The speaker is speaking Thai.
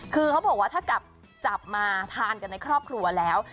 คือเขาบอกว่าถ้ากลับจับมาทานกันในครอบครัวแล้ว